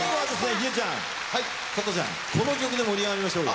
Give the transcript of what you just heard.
秀ちゃん加トちゃんこの曲で盛り上がりましょうよ。